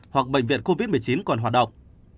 hoặc bệnh viện covid một mươi chín còn hoạt động